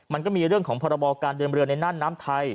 มันก็มีเรื่องของพรบการเดินเรือในน่านน้ำไทย